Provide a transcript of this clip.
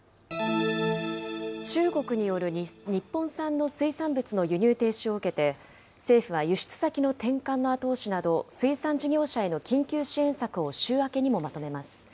中国による日本産の水産物の輸入停止を受けて、政府は輸出先の転換の後押しなど、水産事業者への緊急支援策を週明けにもまとめます。